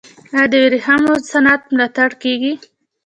آیا د ورېښمو صنعت ملاتړ کیږي؟